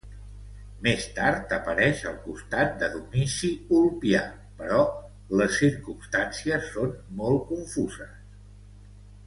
Més tard apareix al costat de Domici Ulpià però les circumstàncies són molt confuses.